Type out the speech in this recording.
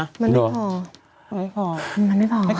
มันไม่พอ